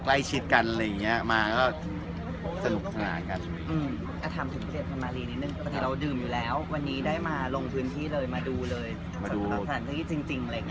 อ่ะทำถึงประเทศภรรณาลีหนึ่งตอนนี้เราดื่มอยู่แล้ววันนี้ได้มาลงพื้นที่เลยมาดูเลย